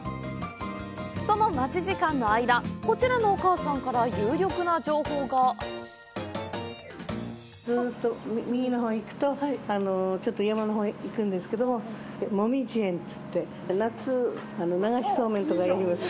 その待ち時間の間、こちらのお母さんから有力な情報がずうっと右のほうに行くと、ちょっと山のほうへ行くんですけども、もみじ苑っつって、夏、流しそうめんとかやります。